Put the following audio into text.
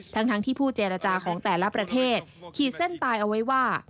ทั้งที่ผู้เจรจาของแต่ละประเทศขีดเส้นตายเอาไว้ว่า